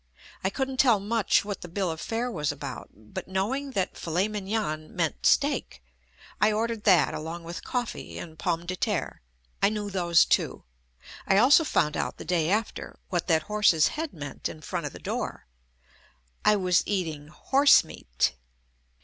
I couldn't tell much what the bill of fare was about, but knowing that "filet mignon" meant JUST ME steak, I ordered that along with coffee and pomme de terres — I knew those too. I also found out the day after what that horse's head meant in front of the door — I was eating horse meat.